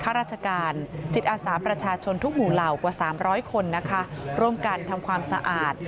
ข้าราชการจิตอาสาประชาชนทุกหมู่เหล่ากว่า๓๐๐คนนะคะร่วมกันทำความสะอาด